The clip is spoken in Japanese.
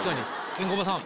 ケンコバさん